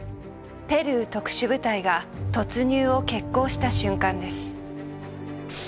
ペルー特殊部隊が突入を決行した瞬間です。